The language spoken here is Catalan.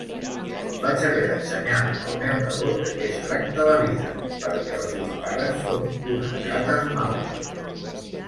Vaig haver d'ensenyar al meu nebot de què es tracta la vida, perquè els seus pares són unes gates maules.